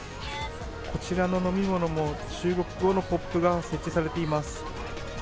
こちらの飲み物も、中国語のポップが設置されています。